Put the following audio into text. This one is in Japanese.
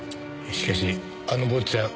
しかしあの坊っちゃん